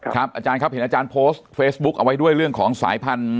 อาจารย์ครับเห็นอาจารย์โพสต์เฟซบุ๊คเอาไว้ด้วยเรื่องของสายพันธุ